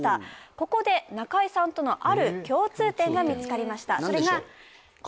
ここで中居さんとのある共通点が見つかりましたそれが何でしょう？